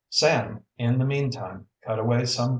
Sam, in the meantime, cut away some..